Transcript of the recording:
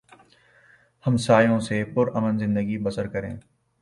ہمسایوں سے پر امن زندگی بسر کریں